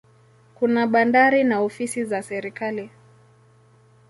Kuna bandari na ofisi za serikali.